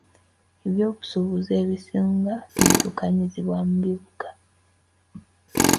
Eby'obusuubuzi ebisinga biddukanyizibwa mu bibuga.